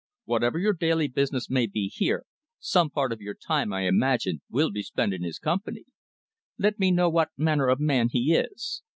Whatever your daily business may be here, some part of your time, I imagine, will be spent in his company. Let me know what manner of man he is.